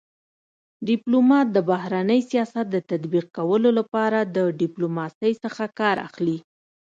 ډيپلومات دبهرني سیاست د تطبيق کولو لپاره د ډيپلوماسی څخه کار اخلي.